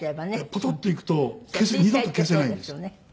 ポトッていくと二度と消せないんです。